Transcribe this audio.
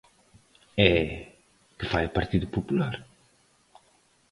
E ¿que fai o Partido Popular?